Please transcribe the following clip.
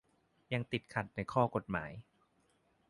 ยังติดขัดในข้อกฎหมาย